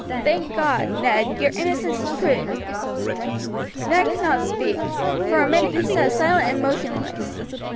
Thank God, Ned, your innocence is proved." Ned could not speak. For a minute he sat silent and motionless.